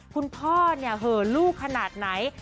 คุณพ่อเนี่ยเหอลูกขนาดไหน